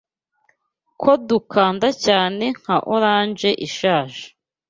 Ko dukanda cyane nka orange ishaje